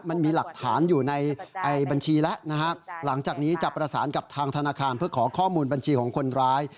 มันมีหลักฐานอยู่ในบัญชีแล้วนะฮะหลังจากนี้จะประสานกับทางธนาคารเพื่อขอข้อมูลบัญชีของคนร้าย